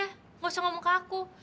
tidak usah ngomong ke aku